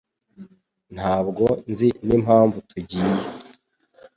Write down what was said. Ntabwo nzi n'impamvu tugiye